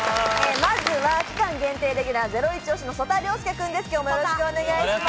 まず期間限定レギュラー、ゼロイチ推しの曽田陵介君です。